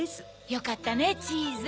よかったねチーズ。